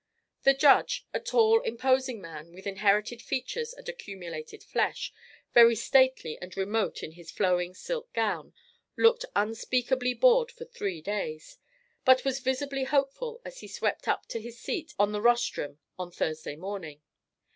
The judge, a tall imposing man with inherited features and accumulated flesh, very stately and remote in his flowing silk gown, looked unspeakably bored for three days, but was visibly hopeful as he swept up to his seat on the rostrum on Thursday morning.